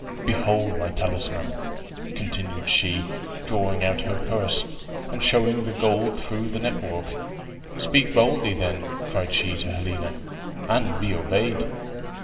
Behold my talisman," continued she, drawing out her purse, and showing the gold through the net work. "Speak boldly, then," cried she to Helena, "and be obeyed."